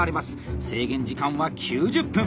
制限時間は９０分。